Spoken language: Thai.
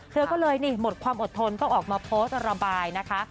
เธอก็เลยนี่หมดความอดทนต้องออกมาโพสต์ระบายนะคะ